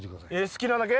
好きなだけ？